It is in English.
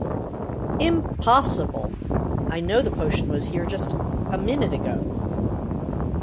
Impossible! I know the potion was here just a minute ago!